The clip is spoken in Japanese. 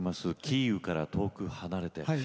「キーウから遠く離れて」。